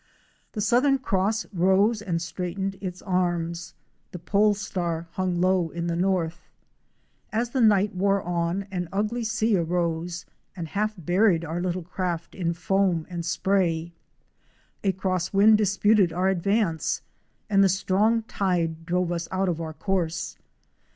The Southern Cross rose and straightened its arms; the Pole Star hung low in the north. As the night wore on, an ugly sea arose and half buried our little craft in foam and spray. A cross wind disputed our advance and the strong tide drove us out of our course.